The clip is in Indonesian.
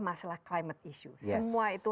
masalah climate issue semua itu